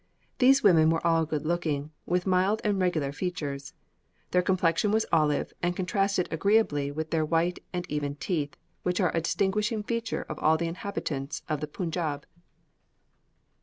These women were all good looking, with mild and regular features, their complexion was olive, and contrasted agreeably with their white and even teeth, which are a distinguishing feature of all the inhabitants of the Punjab."